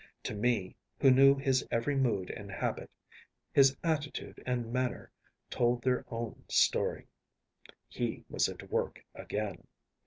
To me, who knew his every mood and habit, his attitude and manner told their own story. He was at work again.